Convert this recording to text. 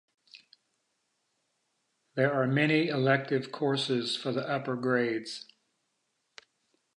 There are many elective courses for the upper grades.